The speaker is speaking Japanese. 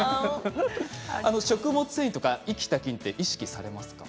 食物繊維とか生きた菌って意識されますか？